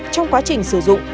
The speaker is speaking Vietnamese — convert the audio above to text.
trong quá trình sửa